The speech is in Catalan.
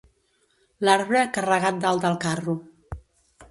L'arbre carregat dalt del carro.